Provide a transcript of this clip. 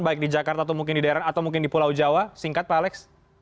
baik di jakarta atau mungkin di daerah atau mungkin di pulau jawa singkat pak alex